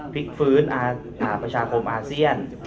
พลิกฟื้นประชาคมอาเซียน